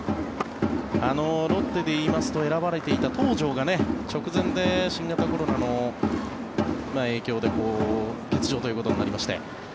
ロッテで言いますと選ばれていた東條が直前で新型コロナの影響で欠場となりまして